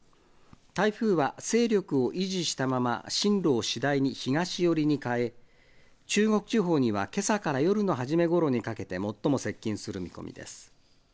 台風は勢力を維持したまま進路を次第に東寄りに変え、中国地方にはけさから夜の初めごろにかけて最も接近する見込みです。